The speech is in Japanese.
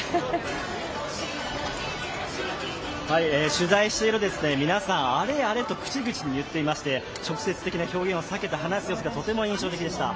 取材していると、皆さん、アレ、アレと口々に言っていまして直接的な表現を話す様子がとても印象的でした。